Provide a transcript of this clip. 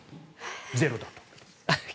ゼロだと。